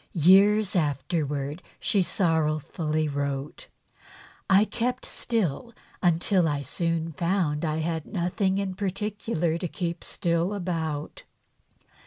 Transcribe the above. Years afterwards she sorrowfully wrote :" I kept still until I soon found I had nothing in particular to keep still about.